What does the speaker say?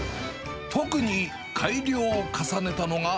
特に改良を重ねたのが。